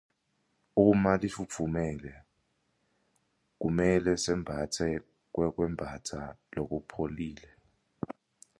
Uma lifutfumele kumele sembatse kwekwembatsa lokupholile.